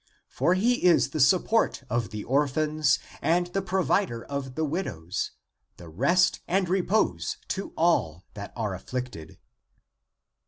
For he is the support of the orphans and the provider of the widows, and rest and repose to all that are af flicted."